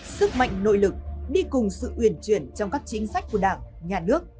sức mạnh nội lực đi cùng sự uyển chuyển trong các chính sách của đảng nhà nước